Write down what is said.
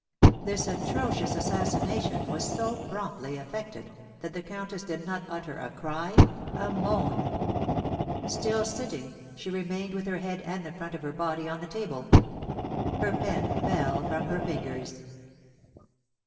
This atrocious assassination was so promptly effected that the countess did not utter a cry a moan. Still sitting, she remained with her head and the front of her body on the table. Her pen fell from her fingers.